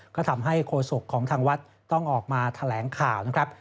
ก็ทำให้โฆษกของทางวัดต้องออกมาแถลงข่าวนะครับ